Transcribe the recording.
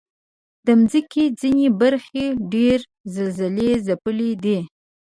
د مځکې ځینې برخې ډېر زلزلهځپلي دي.